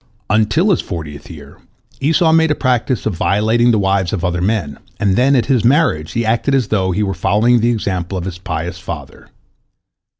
Until his fortieth year Esau made a practice of violating the wives of other men, and then at his marriage he acted as though he were following the example of his pious father.